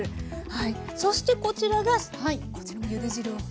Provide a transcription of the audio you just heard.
はいそしてこちらがこちらもゆで汁を。